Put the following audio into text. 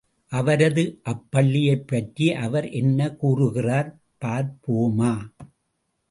அவரது அப்பள்ளியைப் பற்றி அவர் என்ன கூறுகிறார் பார்ப்போமா?